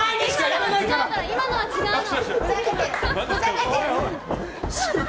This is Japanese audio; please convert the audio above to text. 今のは違うの！